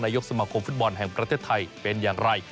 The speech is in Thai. ยกสมาคมฟุตบอลแห่งประเทศไทยเป็นอย่างไร